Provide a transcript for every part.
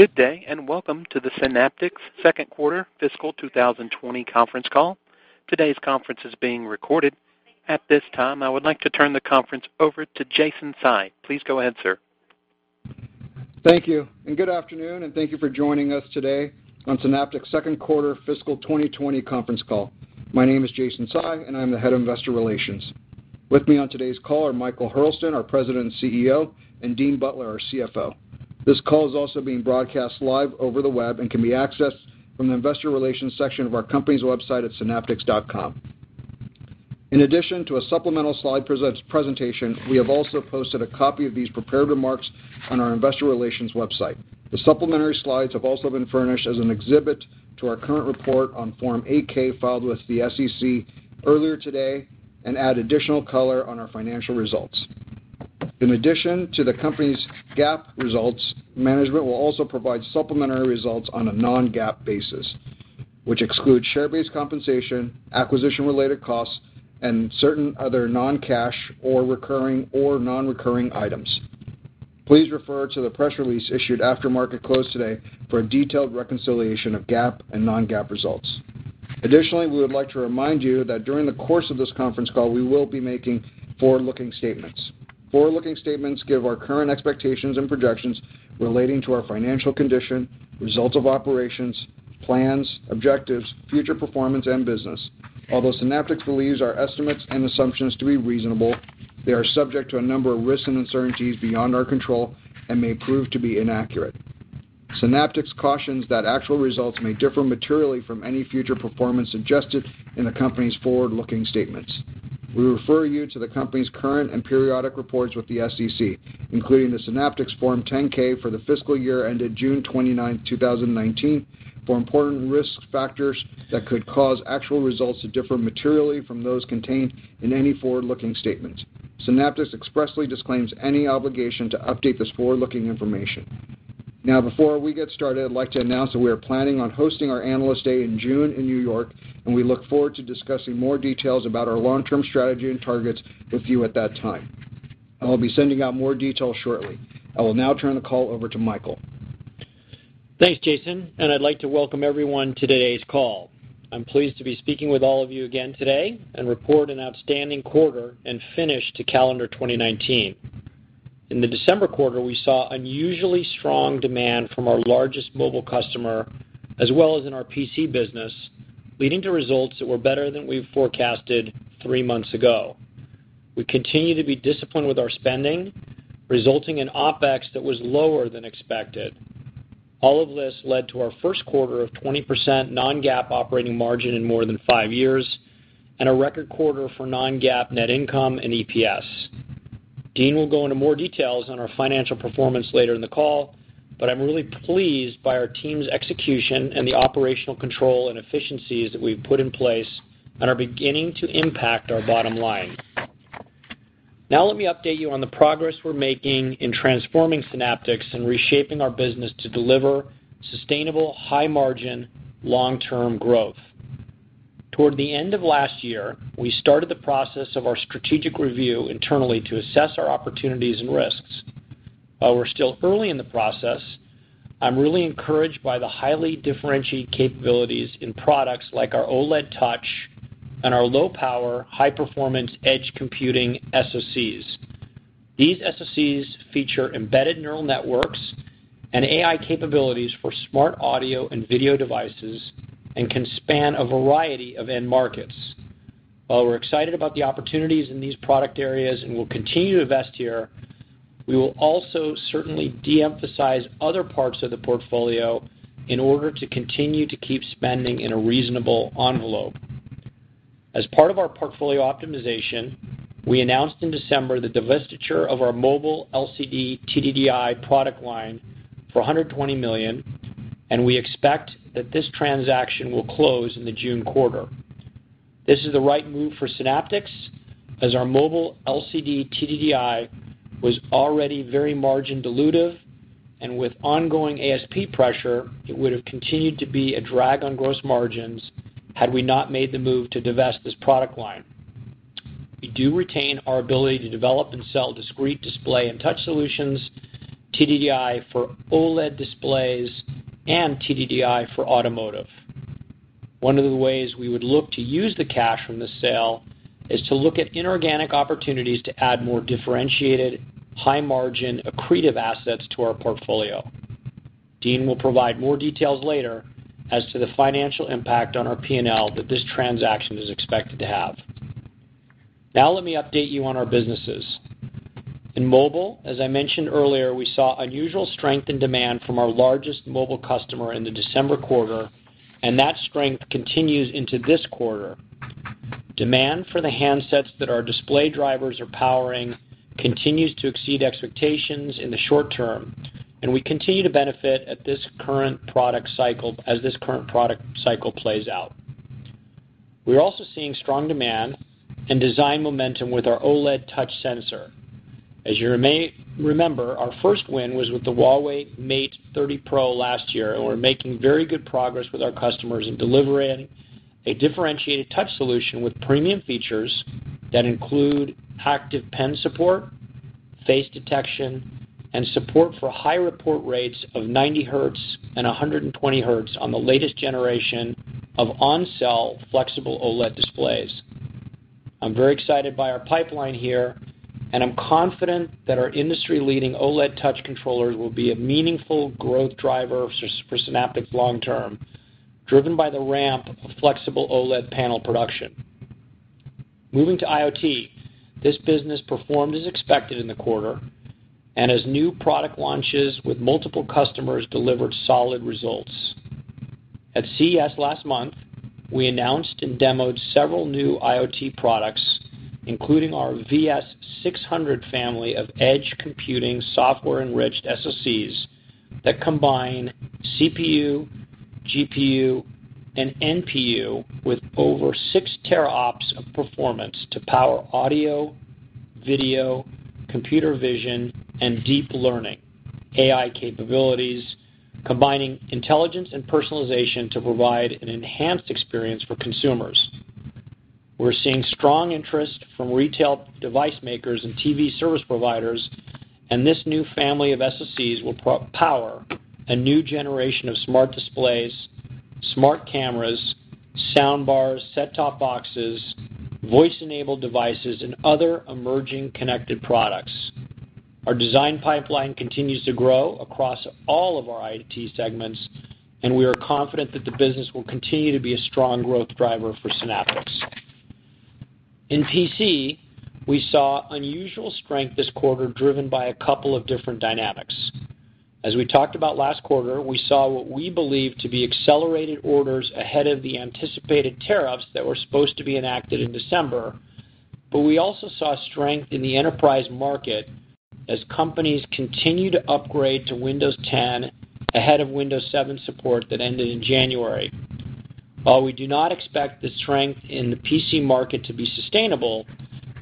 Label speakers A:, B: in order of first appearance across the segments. A: Good day, and welcome to the Synaptics second quarter fiscal 2020 conference call. Today's conference is being recorded. At this time, I would like to turn the conference over to Jason Tsai. Please go ahead, sir.
B: Thank you, and good afternoon, and thank you for joining us today on Synaptics' second quarter fiscal 2020 conference call. My name is Jason Tsai, and I'm the Head of Investor Relations. With me on today's call are Michael Hurlston, our President and CEO, and Dean Butler, our CFO. This call is also being broadcast live over the web and can be accessed from the investor relations section of our company's website at synaptics.com. In addition to a supplemental slide presentation, we have also posted a copy of these prepared remarks on our investor relations website. The supplementary slides have also been furnished as an exhibit to our current report on Form 8-K filed with the SEC earlier today and add additional color on our financial results. In addition to the company's GAAP results, management will also provide supplementary results on a non-GAAP basis, which excludes share-based compensation, acquisition-related costs, and certain other non-cash or non-recurring items. Please refer to the press release issued after market close today for a detailed reconciliation of GAAP and non-GAAP results. Additionally, we would like to remind you that during the course of this conference call, we will be making forward-looking statements. Forward-looking statements give our current expectations and projections relating to our financial condition, results of operations, plans, objectives, future performance, and business. Although Synaptics believes our estimates and assumptions to be reasonable, they are subject to a number of risks and uncertainties beyond our control and may prove to be inaccurate. Synaptics cautions that actual results may differ materially from any future performance suggested in the company's forward-looking statements. We refer you to the company's current and periodic reports with the SEC, including the Synaptics Form 10-K for the fiscal year ended June 29, 2019, for important risk factors that could cause actual results to differ materially from those contained in any forward-looking statements. Synaptics expressly disclaims any obligation to update this forward-looking information. Now, before we get started, I'd like to announce that we are planning on hosting our Analyst Day in June in New York, and we look forward to discussing more details about our long-term strategy and targets with you at that time. I'll be sending out more details shortly. I will now turn the call over to Michael.
C: Thanks, Jason. I'd like to welcome everyone to today's call. I'm pleased to be speaking with all of you again today and report an outstanding quarter and finish to calendar 2019. In the December quarter, we saw unusually strong demand from our largest mobile customer, as well as in our PC business, leading to results that were better than we forecasted three months ago. We continue to be disciplined with our spending, resulting in OpEx that was lower than expected. All of this led to our first quarter of 20% non-GAAP operating margin in more than five years and a record quarter for non-GAAP net income and EPS. Dean will go into more details on our financial performance later in the call. I'm really pleased by our team's execution and the operational control and efficiencies that we've put in place and are beginning to impact our bottom line. Now let me update you on the progress we're making in transforming Synaptics and reshaping our business to deliver sustainable, high-margin, long-term growth. Toward the end of last year, we started the process of our strategic review internally to assess our opportunities and risks. While we're still early in the process, I'm really encouraged by the highly differentiated capabilities in products like our OLED touch and our low-power, high-performance edge computing SoCs. These SoCs feature embedded neural networks and AI capabilities for smart audio and video devices and can span a variety of end markets. While we're excited about the opportunities in these product areas and will continue to invest here, we will also certainly de-emphasize other parts of the portfolio in order to continue to keep spending in a reasonable envelope. As part of our portfolio optimization, we announced in December the divestiture of our mobile LCD TDDI product line for $120 million. We expect that this transaction will close in the June quarter. This is the right move for Synaptics, as our mobile LCD TDDI was already very margin dilutive, and with ongoing ASP pressure, it would have continued to be a drag on gross margins had we not made the move to divest this product line. We do retain our ability to develop and sell discrete display and touch solutions, TDDI for OLED displays, and TDDI for automotive. One of the ways we would look to use the cash from the sale is to look at inorganic opportunities to add more differentiated, high-margin, accretive assets to our portfolio. Dean will provide more details later as to the financial impact on our P&L that this transaction is expected to have. Now let me update you on our businesses. In mobile, as I mentioned earlier, we saw unusual strength and demand from our largest mobile customer in the December quarter, and that strength continues into this quarter. Demand for the handsets that our display drivers are powering continues to exceed expectations in the short-term, and we continue to benefit as this current product cycle plays out. We're also seeing strong demand and design momentum with our OLED touch sensor. As you may remember, our first win was with the Huawei Mate 30 Pro last year, and we're making very good progress with our customers in delivering a differentiated touch solution with premium features that include active pen support, face detection, and support for high report rates of 90 Hz and 120 Hz on the latest generation of on-cell flexible OLED displays. I'm very excited by our pipeline here, and I'm confident that our industry-leading OLED touch controllers will be a meaningful growth driver for Synaptics long-term, driven by the ramp of flexible OLED panel production. Moving to IoT, this business performed as expected in the quarter, and as new product launches with multiple customers delivered solid results. At CES last month, we announced and demoed several new IoT products, including our VS600 family of edge computing software-enriched SoCs that combine CPU, GPU, and NPU with over six teraops of performance to power audio, video, computer vision, and deep learning, AI capabilities, combining intelligence and personalization to provide an enhanced experience for consumers. We're seeing strong interest from retail device makers and TV service providers, and this new family of SoCs will power a new generation of smart displays, smart cameras, soundbars, set-top boxes, voice-enabled devices, and other emerging connected products. Our design pipeline continues to grow across all of our IoT segments, and we are confident that the business will continue to be a strong growth driver for Synaptics. In PC, we saw unusual strength this quarter, driven by a couple of different dynamics. As we talked about last quarter, we saw what we believe to be accelerated orders ahead of the anticipated tariffs that were supposed to be enacted in December. We also saw strength in the enterprise market as companies continue to upgrade to Windows 10 ahead of Windows 7 support that ended in January. While we do not expect the strength in the PC market to be sustainable,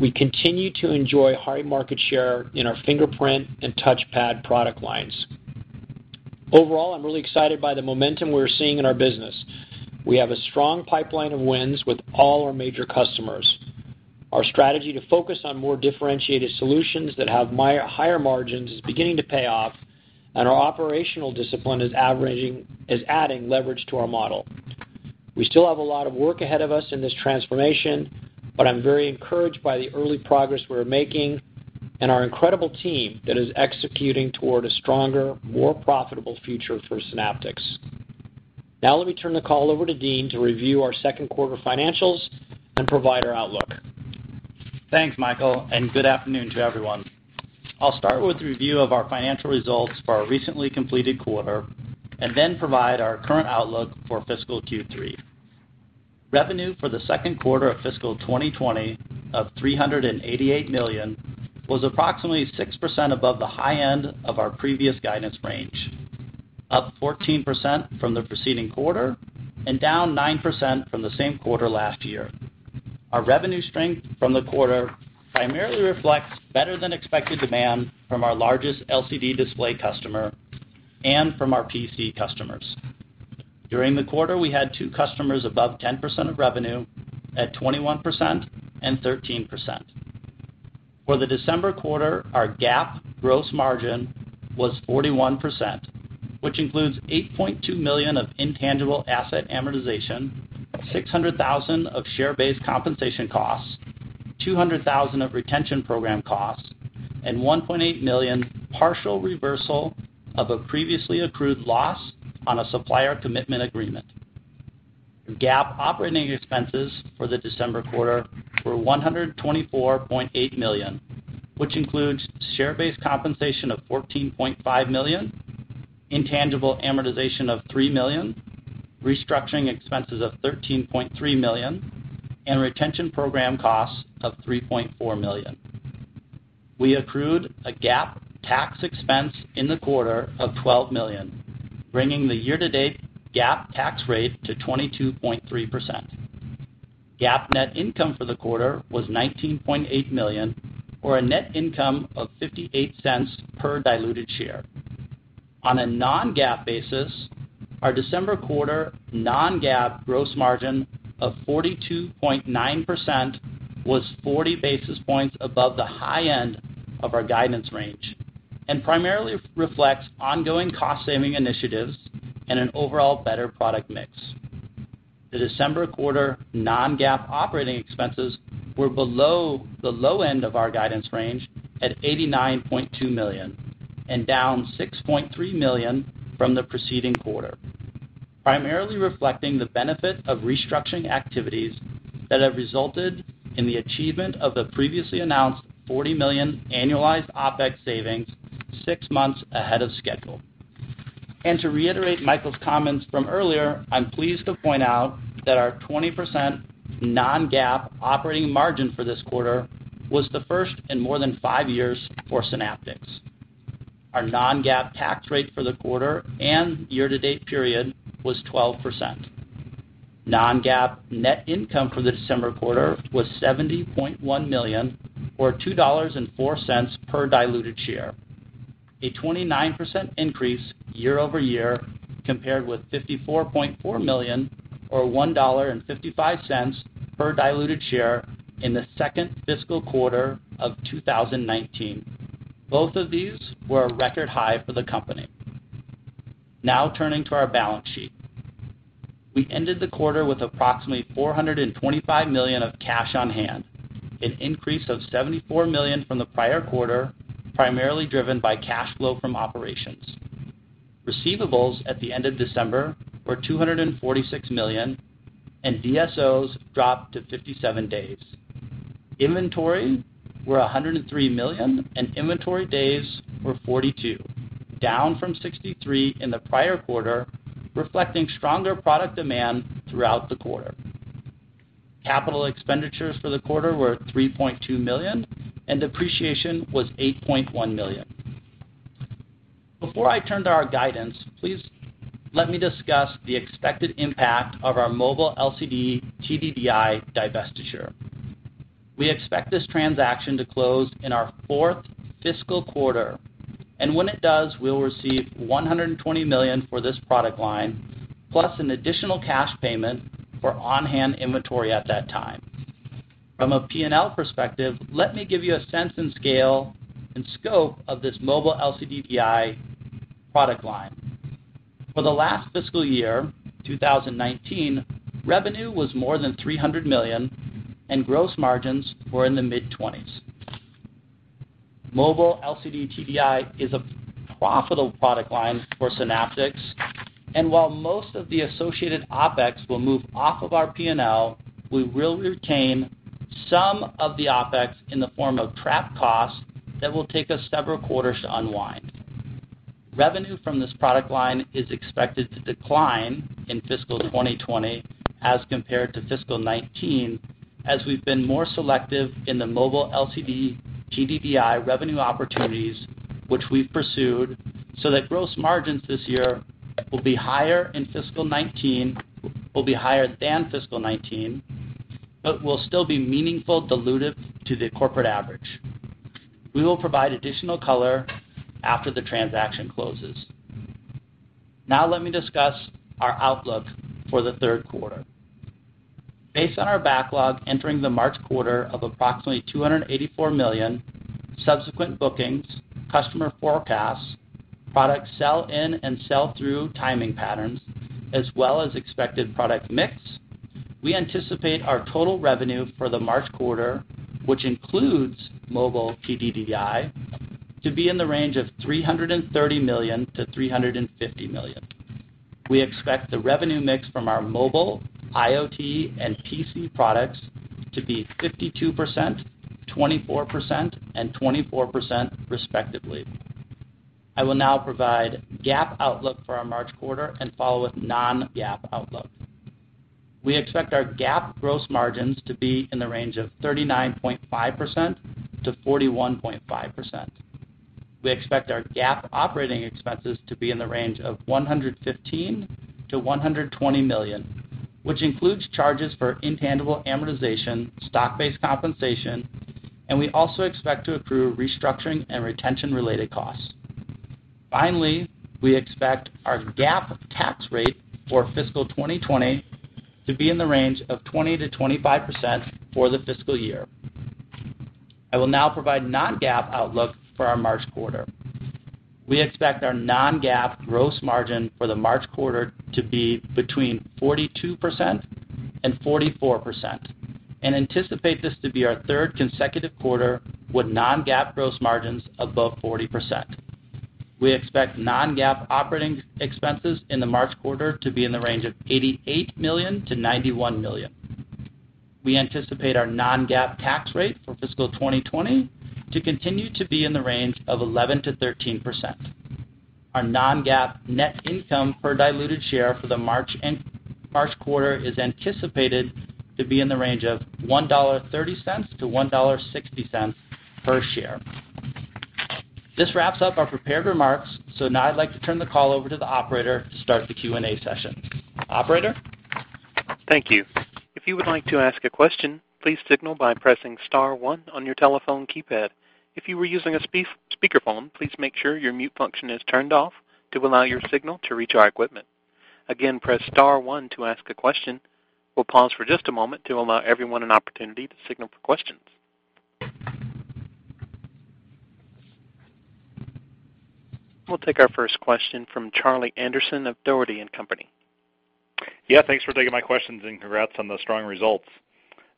C: we continue to enjoy high market share in our fingerprint and touchpad product lines. Overall, I'm really excited by the momentum we're seeing in our business. We have a strong pipeline of wins with all our major customers. Our strategy to focus on more differentiated solutions that have higher margins is beginning to pay off, and our operational discipline is adding leverage to our model. We still have a lot of work ahead of us in this transformation, but I'm very encouraged by the early progress we're making and our incredible team that is executing toward a stronger, more profitable future for Synaptics. Let me turn the call over to Dean to review our second quarter financials and provide our outlook.
D: Thanks, Michael. Good afternoon to everyone. I'll start with a review of our financial results for our recently completed quarter and then provide our current outlook for fiscal Q3. Revenue for the second quarter of fiscal 2020 of $388 million was approximately 6% above the high end of our previous guidance range, up 14% from the preceding quarter and down 9% from the same quarter last year. Our revenue strength from the quarter primarily reflects better than expected demand from our largest LCD display customer and from our PC customers. During the quarter, we had two customers above 10% of revenue at 21% and 13%. For the December quarter, our GAAP gross margin was 41%, which includes $8.2 million of intangible asset amortization, $600,000 of share-based compensation costs, $200,000 of retention program costs, and $1.8 million partial reversal of a previously accrued loss on a supplier commitment agreement. GAAP operating expenses for the December quarter were $124.8 million, which includes share-based compensation of $14.5 million, intangible amortization of $3 million, restructuring expenses of $13.3 million, and retention program costs of $3.4 million. We accrued a GAAP tax expense in the quarter of $12 million, bringing the year-to-date GAAP tax rate to 22.3%. GAAP net income for the quarter was $19.8 million, or a net income of $0.58 per diluted share. On a non-GAAP basis, our December quarter non-GAAP gross margin of 42.9% was 40 basis points above the high end of our guidance range and primarily reflects ongoing cost-saving initiatives and an overall better product mix. The December quarter non-GAAP operating expenses were below the low end of our guidance range at $89.2 million and down $6.3 million from the preceding quarter, primarily reflecting the benefit of restructuring activities that have resulted in the achievement of the previously announced $40 million annualized OpEx savings six months ahead of schedule. To reiterate Michael's comments from earlier, I'm pleased to point out that our 20% non-GAAP operating margin for this quarter was the first in more than five years for Synaptics. Our non-GAAP tax rate for the quarter and year-to-date period was 12%. Non-GAAP net income for the December quarter was $70.1 million, or $2.04 per diluted share. A 29% increase year-over-year compared with $54.4 million or $1.55 per diluted share in the second fiscal quarter of 2019. Both of these were a record high for the company. Turning to our balance sheet. We ended the quarter with approximately $425 million of cash on hand, an increase of $74 million from the prior quarter, primarily driven by cash flow from operations. Receivables at the end of December were $246 million, and DSOs dropped to 57 days. Inventory were $103 million, and inventory days were 42, down from 63 in the prior quarter, reflecting stronger product demand throughout the quarter. Capital expenditures for the quarter were $3.2 million, and depreciation was $8.1 million. Before I turn to our guidance, please let me discuss the expected impact of our mobile LCD TDDI divestiture. We expect this transaction to close in our fourth fiscal quarter, and when it does, we'll receive $120 million for this product line, plus an additional cash payment for on-hand inventory at that time. From a P&L perspective, let me give you a sense and scale and scope of this mobile LCD TDDI product line. For the last fiscal year, 2019, revenue was more than $300 million, and gross margins were in the mid-20s%. Mobile LCD TDDI is a profitable product line for Synaptics, and while most of the associated OpEx will move off of our P&L, we will retain some of the OpEx in the form of trap costs that will take us several quarters to unwind. Revenue from this product line is expected to decline in fiscal 2020 as compared to fiscal 2019, as we've been more selective in the mobile LCD TDDI revenue opportunities which we've pursued, so that gross margins this year will be higher than fiscal 2019, but will still be meaningful dilutive to the corporate average. We will provide additional color after the transaction closes. Now let me discuss our outlook for the third quarter. Based on our backlog entering the March quarter of approximately $284 million, subsequent bookings, customer forecasts, product sell-in and sell-through timing patterns, as well as expected product mix, we anticipate our total revenue for the March quarter, which includes mobile TDDI, to be in the range of $330 million-$350 million. We expect the revenue mix from our mobile, IoT, and PC products to be 52%, 24%, and 24% respectively. I will now provide GAAP outlook for our March quarter and follow with non-GAAP outlook. We expect our GAAP gross margins to be in the range of 39.5%-41.5%. We expect our GAAP operating expenses to be in the range of $115 million-$120 million, which includes charges for intangible amortization, stock-based compensation, and we also expect to accrue restructuring and retention related costs. Finally, we expect our GAAP tax rate for fiscal 2020 to be in the range of 20% to 25% for the fiscal year. I will now provide non-GAAP outlook for our March quarter. We expect our non-GAAP gross margin for the March quarter to be between 42% and 44%, and anticipate this to be our third consecutive quarter with non-GAAP gross margins above 40%. We expect non-GAAP operating expenses in the March quarter to be in the range of $88 million-$91 million. We anticipate our non-GAAP tax rate for fiscal 2020 to continue to be in the range of 11% -13%. Our non-GAAP net income per diluted share for the March quarter is anticipated to be in the range of $1.30-$1.60 per share. This wraps up our prepared remarks. Now I'd like to turn the call over to the operator to start the Q&A session. Operator?
A: Thank you. If you would like to ask a question, please signal by pressing star one on your telephone keypad. If you are using a speakerphone, please make sure your mute function is turned off to allow your signal to reach our equipment. Again, press star one to ask a question. We'll pause for just a moment to allow everyone an opportunity to signal for questions. We'll take our first question from Charlie Anderson of Dougherty & Company.
E: Yeah, thanks for taking my questions, and congrats on the strong results.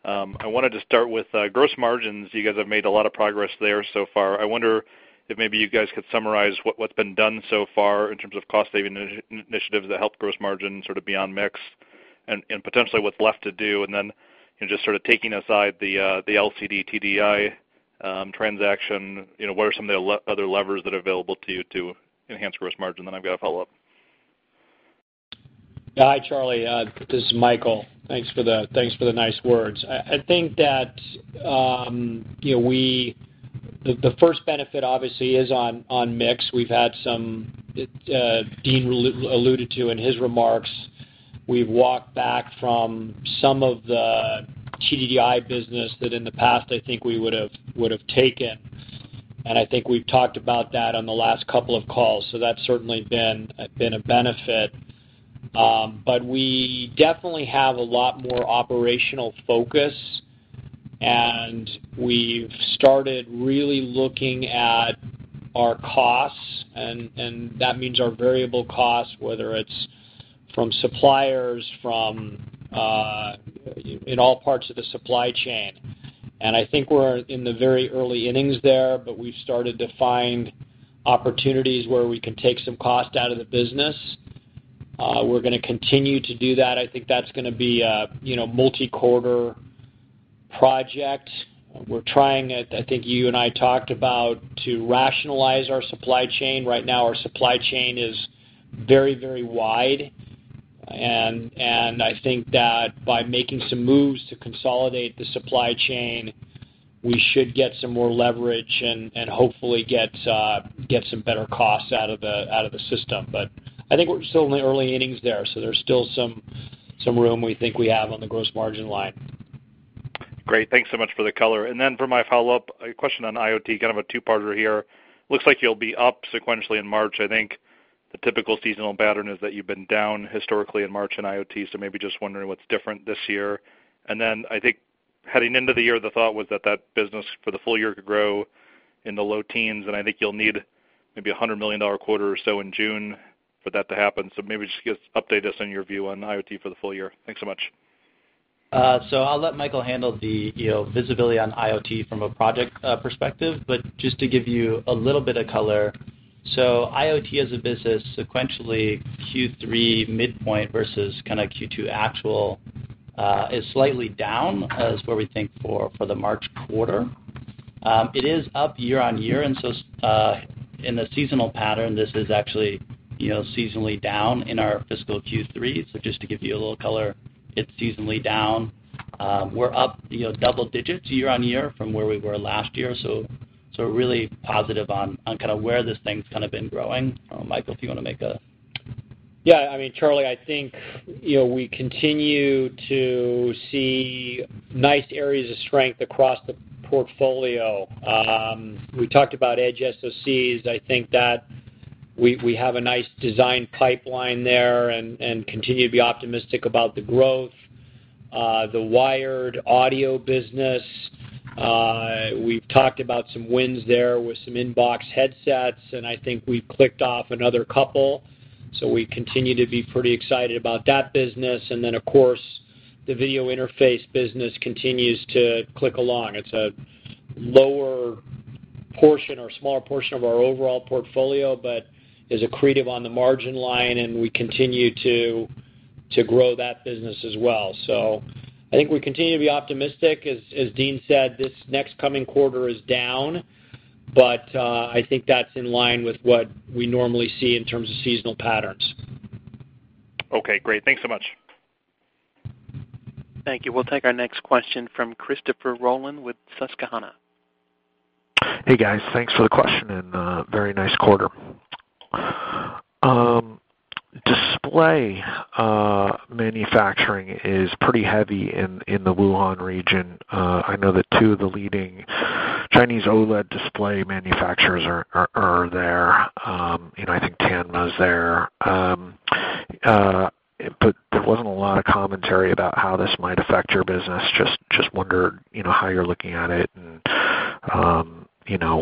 E: I wanted to start with gross margins. You guys have made a lot of progress there so far. I wonder if maybe you guys could summarize what's been done so far in terms of cost-saving initiatives that help gross margin sort of beyond mix, and potentially what's left to do. Just sort of taking aside the LCD TDDI transaction, what are some of the other levers that are available to you to enhance gross margin? I've got a follow-up.
C: Hi, Charlie. This is Michael. Thanks for the nice words. I think that the first benefit obviously is on mix, Dean alluded to in his remarks. We've walked back from some of the TDDI business that in the past I think we would've taken, and I think we've talked about that on the last couple of calls, so that's certainly been a benefit. We definitely have a lot more operational focus, and we've started really looking at our costs, and that means our variable costs, whether it's from suppliers, in all parts of the supply chain. I think we're in the very early innings there, but we've started to find opportunities where we can take some cost out of the business. We're going to continue to do that. I think that's going to be a multi-quarter project. We're trying, I think you and I talked about, to rationalize our supply chain. Right now our supply chain is very wide. I think that by making some moves to consolidate the supply chain, we should get some more leverage and hopefully get some better costs out of the system. I think we're still in the early innings there, so there's still some room we think we have on the gross margin line.
E: Great. Thanks so much for the color. For my follow-up, a question on IoT, kind of a two-parter here. Looks like you'll be up sequentially in March. I think the typical seasonal pattern is that you've been down historically in March in IoT, maybe just wondering what's different this year. I think heading into the year, the thought was that that business for the full-year could grow in the low teens, and I think you'll need maybe $100 million quarter or so in June for that to happen. Maybe just update us on your view on IoT for the full-year. Thanks so much.
D: I'll let Michael handle the visibility on IoT from a project perspective, but just to give you a little bit of color. IoT as a business sequentially Q3 midpoint versus Q2 actual is slightly down as where we think for the March quarter. It is up year-over-year, in the seasonal pattern, this is actually seasonally down in our fiscal Q3. Just to give you a little color, it's seasonally down. We're up double digits year-over-year from where we were last year, really positive on kind of where this thing's kind of been growing. Michael, if you want to make a
C: Yeah, Charlie, I think we continue to see nice areas of strength across the portfolio. We talked about edge SoCs. I think that we have a nice design pipeline there and continue to be optimistic about the growth. The wired audio business, we've talked about some wins there with some inbox headsets, and I think we've clicked off another couple. We continue to be pretty excited about that business. Then of course, the video interface business continues to click along. It's a lower portion or smaller portion of our overall portfolio, but is accretive on the margin line, and we continue to grow that business as well. I think we continue to be optimistic. As Dean said, this next coming quarter is down, but I think that's in line with what we normally see in terms of seasonal patterns.
E: Okay, great. Thanks so much.
A: Thank you. We'll take our next question from Christopher Rolland with Susquehanna.
F: Hey, guys. Thanks for the question and very nice quarter. Display manufacturing is pretty heavy in the Wuhan region. I know that two of the leading Chinese OLED display manufacturers are there. I think Tianma is there. There wasn't a lot of commentary about how this might affect your business. Just wondered how you're looking at it and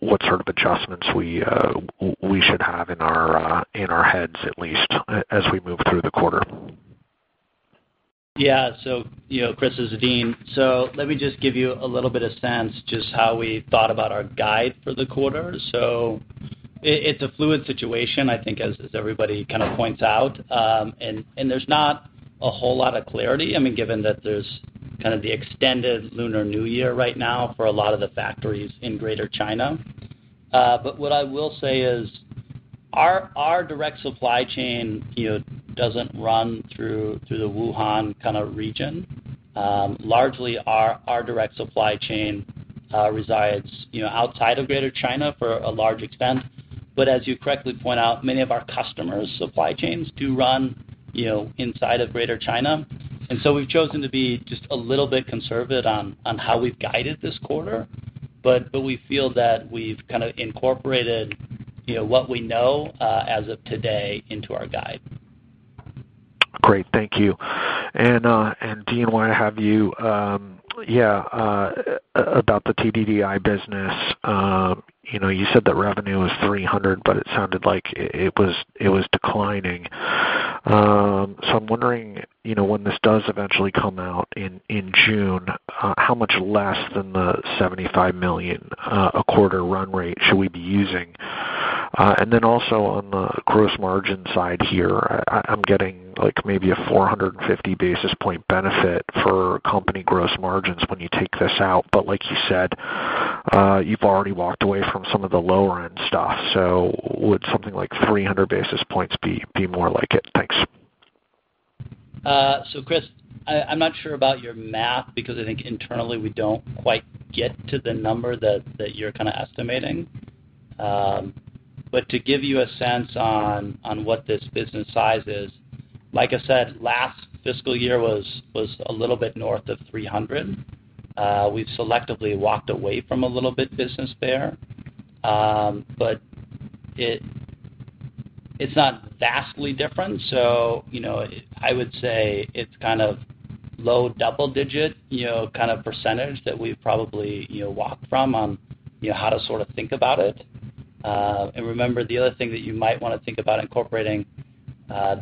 F: what sort of adjustments we should have in our heads at least as we move through the quarter?
D: Yeah. Chris, this is Dean. Let me just give you a little bit of sense just how we thought about our guide for the quarter. It's a fluid situation, I think, as everybody kind of points out, and there's not a whole lot of clarity, given that there's kind of the extended Lunar New Year right now for a lot of the factories in Greater China. What I will say is our direct supply chain doesn't run through the Wuhan region. Largely, our direct supply chain resides outside of Greater China for a large extent. As you correctly point out, many of our customers' supply chains do run inside of Greater China. We've chosen to be just a little bit conservative on how we've guided this quarter, but we feel that we've kind of incorporated what we know as of today into our guide.
F: Great. Thank you. Dean, while I have you, about the TDDI business. You said that revenue was $300, but it sounded like it was declining. I'm wondering, when this does eventually come out in June, how much less than the $75 million a quarter run rate should we be using? Also on the gross margin side here, I'm getting maybe a 450 basis point benefit for company gross margins when you take this out. Like you said, you've already walked away from some of the lower-end stuff. Would something like 300 basis points be more like it? Thanks.
C: Chris, I'm not sure about your math because I think internally we don't quite get to the number that you're kind of estimating. To give you a sense on what this business size is, like I said, last fiscal year was a little bit north of $300 million. We've selectively walked away from a little bit business there. It's not vastly different. I would say it's kind of low double digit percentage that we've probably walked from on how to sort of think about it. Remember, the other thing that you might want to think about incorporating,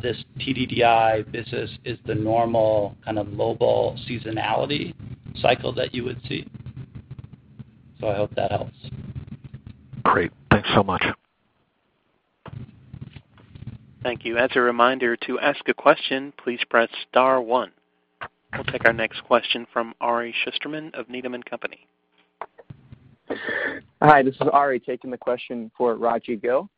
C: this TDDI business is the normal kind of mobile seasonality cycle that you would see. I hope that helps.
F: Great. Thanks so much.
A: Thank you. As a reminder, to ask a question, please press star one. We'll take our next question from Ari Shusterman of Needham & Company.
G: Hi, this is Ari taking the question for Rajvindra Gill.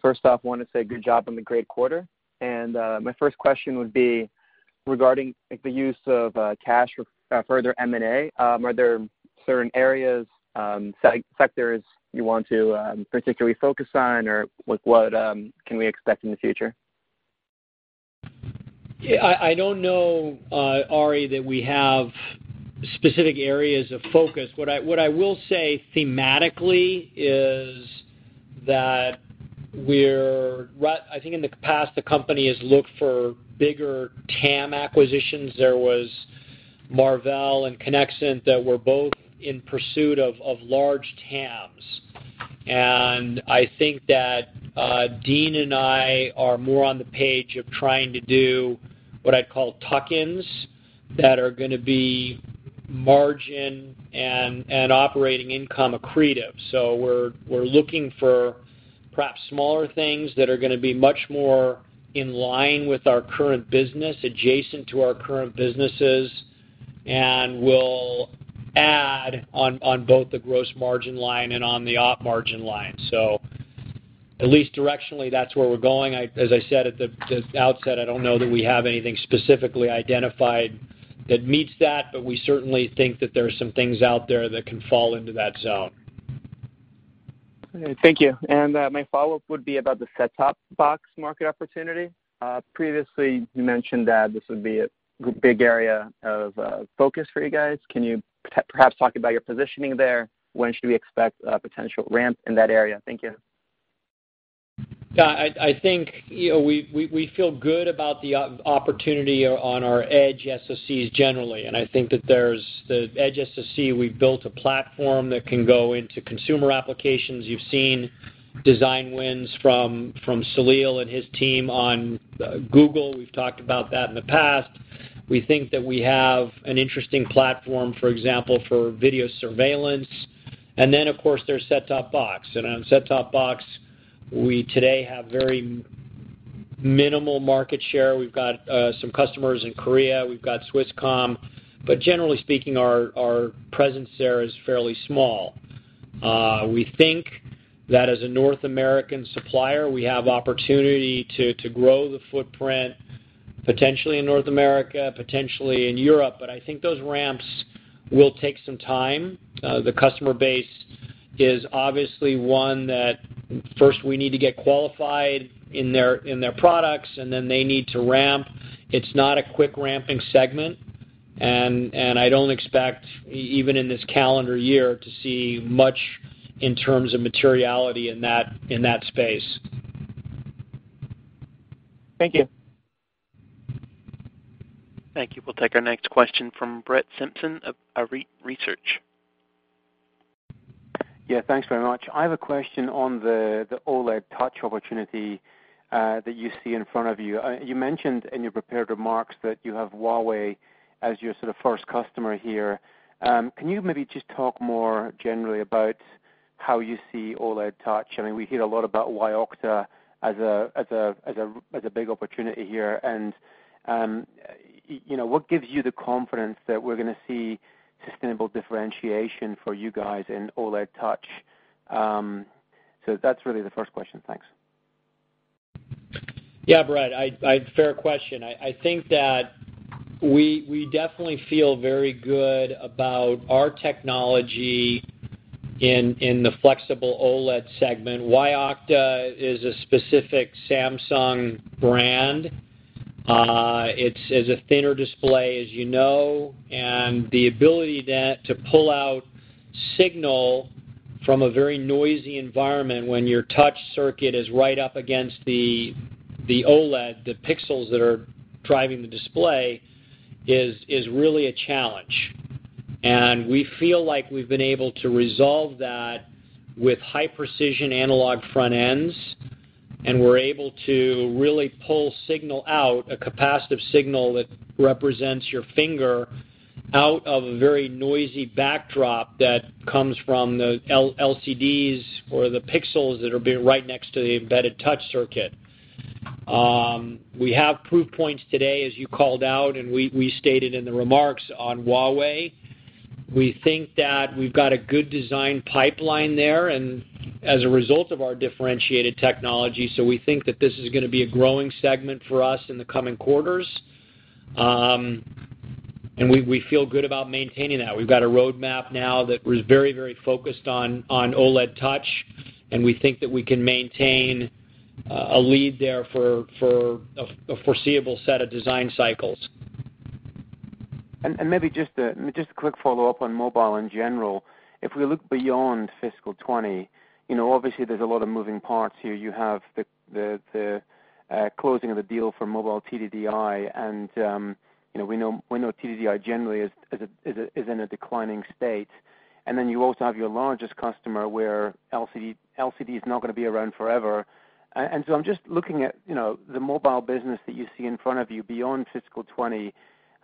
G: First off, wanted to say good job on the great quarter. My first question would be regarding the use of cash for further M&A. Are there certain areas, sectors you want to particularly focus on, or what can we expect in the future?
C: Yeah, I don't know, Ari, that we have specific areas of focus. What I will say thematically is that I think in the past, the company has looked for bigger TAM acquisitions. There was Marvell and Conexant that were both in pursuit of large TAMs. I think that Dean and I are more on the page of trying to do what I'd call tuck-ins that are going to be margin and operating income accretive. We're looking for perhaps smaller things that are going to be much more in line with our current business, adjacent to our current businesses, and will add on both the gross margin line and on the op margin line. At least directionally, that's where we're going. As I said at the outset, I don't know that we have anything specifically identified that meets that, but we certainly think that there are some things out there that can fall into that zone.
G: Okay, thank you. My follow-up would be about the set-top box market opportunity. Previously, you mentioned that this would be a big area of focus for you guys. Can you perhaps talk about your positioning there? When should we expect a potential ramp in that area? Thank you.
C: Yeah, I think we feel good about the opportunity on our edge SoCs generally, and I think that there's the edge SoC, we've built a platform that can go into consumer applications. You've seen design wins from Salil and his team on Google. We've talked about that in the past. We think that we have an interesting platform, for example, for video surveillance. Of course, there's set-top box. On set-top box, we today have very minimal market share. We've got some customers in Korea. We've got Swisscom. Generally speaking, our presence there is fairly small. We think that as a North American supplier, we have opportunity to grow the footprint, potentially in North America, potentially in Europe, but I think those ramps will take some time. The customer base is obviously one that first we need to get qualified in their products, and then they need to ramp. It's not a quick ramping segment, and I don't expect, even in this calendar year, to see much in terms of materiality in that space.
G: Thank you.
A: Thank you. We'll take our next question from Brett Simpson of Arete Research.
H: Yeah, thanks very much. I have a question on the OLED touch opportunity that you see in front of you. You mentioned in your prepared remarks that you have Huawei as your sort of first customer here. Can you maybe just talk more generally about how you see OLED touch? I mean, we hear a lot about Y-OCTA as a big opportunity here. What gives you the confidence that we're going to see sustainable differentiation for you guys in OLED touch? That's really the first question. Thanks.
C: Yeah, Brett, fair question. I think that we definitely feel very good about our technology in the flexible OLED segment. Y-OCTA is a specific Samsung brand. It's a thinner display, as you know. The ability to pull out signal from a very noisy environment when your touch circuit is right up against the OLED, the pixels that are driving the display, is really a challenge. We feel like we've been able to resolve that with high precision analog front ends, and we're able to really pull signal out, a capacitive signal that represents your finger, out of a very noisy backdrop that comes from the LCDs or the pixels that are right next to the embedded touch circuit. We have proof points today, as you called out, and we stated in the remarks on Huawei. We think that we've got a good design pipeline there and as a result of our differentiated technology. We think that this is going to be a growing segment for us in the coming quarters. We feel good about maintaining that. We've got a roadmap now that is very focused on OLED touch, and we think that we can maintain a lead there for a foreseeable set of design cycles.
H: Maybe just a quick follow-up on mobile in general. If we look beyond fiscal 2020, obviously, there's a lot of moving parts here. You have the closing of the deal for mobile TDDI, and we know TDDI generally is in a declining state. Then you also have your largest customer where LCD is not going to be around forever. I'm just looking at the mobile business that you see in front of you beyond fiscal 2020.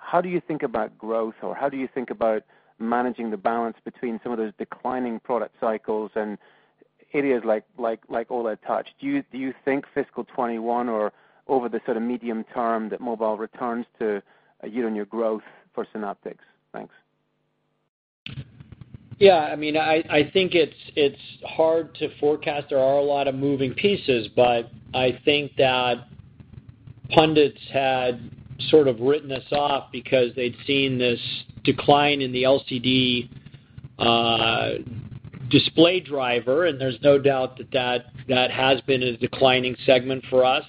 H: How do you think about growth or how do you think about managing the balance between some of those declining product cycles and areas like OLED touch? Do you think fiscal 2021 or over the sort of medium term that mobile returns to you and your growth for Synaptics? Thanks.
C: Yeah. I think it's hard to forecast. There are a lot of moving pieces, but I think that pundits had sort of written us off because they'd seen this decline in the LCD display driver, and there's no doubt that has been a declining segment for us.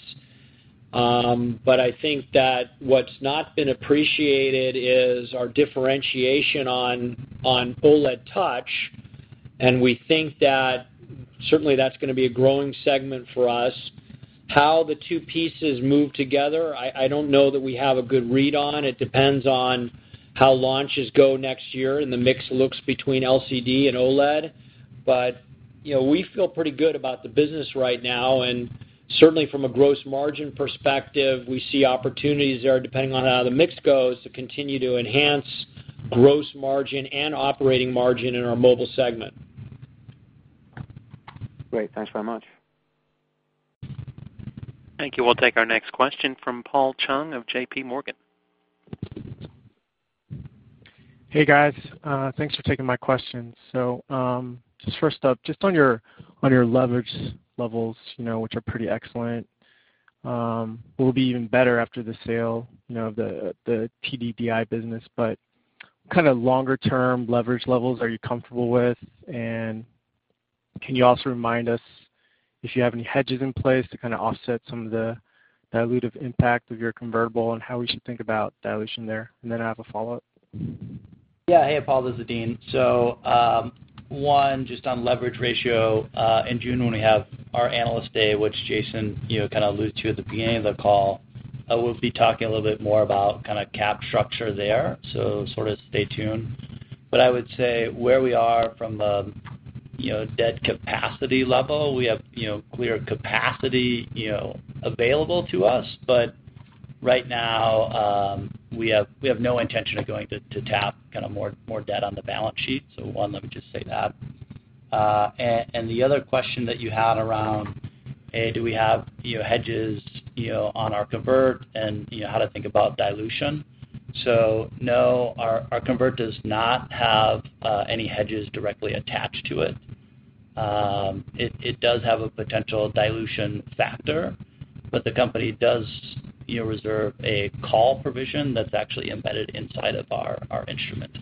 C: I think that what's not been appreciated is our differentiation on OLED touch, and we think that certainly that's going to be a growing segment for us. How the two pieces move together, I don't know that we have a good read on. It depends on how launches go next year and the mix looks between LCD and OLED. We feel pretty good about the business right now, and certainly from a gross margin perspective, we see opportunities there depending on how the mix goes to continue to enhance gross margin and operating margin in our mobile segment.
H: Great. Thanks very much.
A: Thank you. We'll take our next question from Paul Chung of JPMorgan.
I: Hey, guys. Thanks for taking my question. First up, on your leverage levels which are pretty excellent, will be even better after the sale of the TDDI business. What kind of longer-term leverage levels are you comfortable with? Can you also remind us if you have any hedges in place to kind of offset some of the dilutive impact of your convertible and how we should think about dilution there? I have a follow-up.
D: Yeah. Hey, Paul. This is Dean. One, just on leverage ratio, in June when we have our Analyst Day, which Jason kind of alluded to at the beginning of the call, we'll be talking a little bit more about cap structure there, sort of stay tuned. I would say where we are from a debt capacity level, we have clear capacity available to us. Right now, we have no intention of going to tap more debt on the balance sheet. One, let me just say that. The other question that you had around do we have hedges on our convert and how to think about dilution. No, our convert does not have any hedges directly attached to it. It does have a potential dilution factor, but the company does reserve a call provision that's actually embedded inside of our instrument.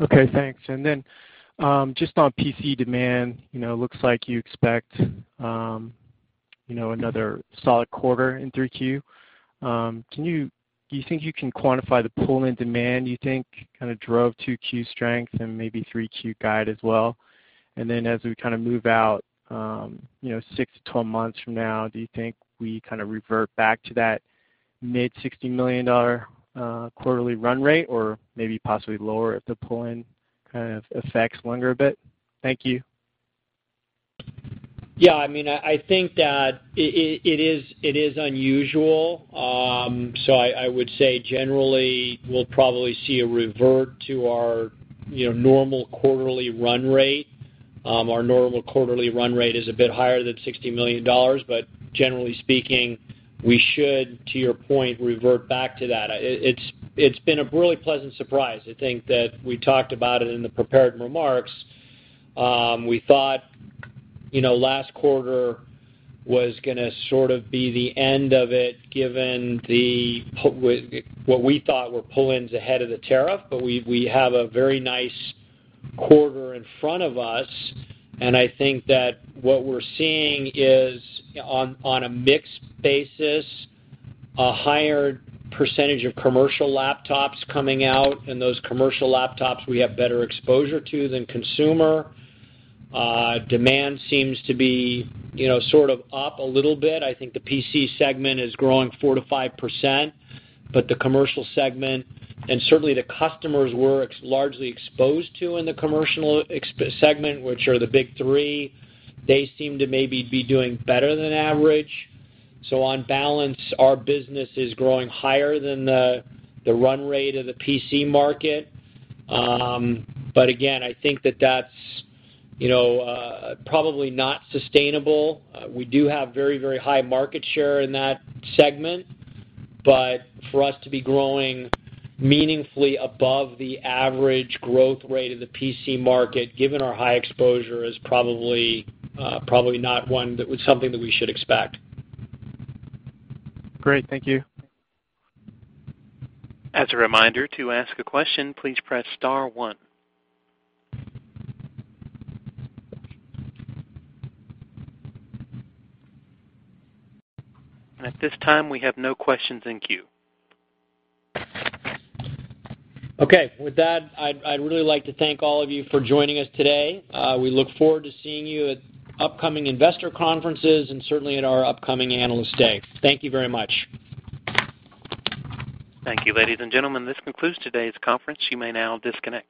I: Okay, thanks. Then, just on PC demand, it looks like you expect another solid quarter in Q3. Do you think you can quantify the pull-in demand you think kind of drove Q2 strength and maybe Q3 guide as well? Then as we kind of move out 6-12 months from now, do you think we kind of revert back to that mid-$60 million quarterly run rate or maybe possibly lower if the pull-in kind of effects linger a bit? Thank you.
C: I think that it is unusual. I would say generally, we'll probably see a revert to our normal quarterly run rate. Our normal quarterly run rate is a bit higher than $60 million, but generally speaking, we should, to your point, revert back to that. It's been a really pleasant surprise. I think that we talked about it in the prepared remarks. We thought last quarter was going to sort of be the end of it given what we thought were pull-ins ahead of the tariff, but we have a very nice quarter in front of us. I think that what we're seeing is on a mix basis, a higher percentage of commercial laptops coming out, and those commercial laptops we have better exposure to than consumer. Demand seems to be sort of up a little bit. I think the PC segment is growing 4%-5%. The commercial segment, and certainly the customers we are largely exposed to in the commercial segment, which are the big three, they seem to maybe be doing better than average. On balance, our business is growing higher than the run rate of the PC market. Again, I think that that is probably not sustainable. We do have very high market share in that segment, but for us to be growing meaningfully above the average growth rate of the PC market, given our high exposure, is probably not something that we should expect.
I: Great. Thank you.
A: As a reminder, to ask a question, please press star one. At this time, we have no questions in queue.
C: Okay. With that, I'd really like to thank all of you for joining us today. We look forward to seeing you at upcoming investor conferences and certainly at our upcoming Analyst Day. Thank you very much.
A: Thank you, ladies and gentlemen. This concludes today's conference. You may now disconnect.